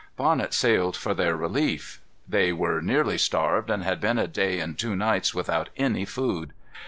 Bonnet sailed for their relief. They were nearly starved, and had been a day and two nights without any food.